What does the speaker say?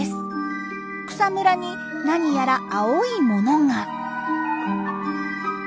草むらに何やら青いものが。